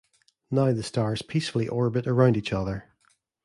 Now the stars peacefully orbit around each other.